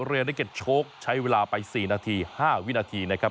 เรียนได้เก็บโชคใช้เวลาไป๔นาที๕วินาทีนะครับ